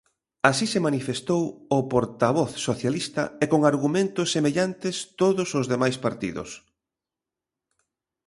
Así se manifestou o portavoz socialista e con argumentos semellantes todos os demais partidos.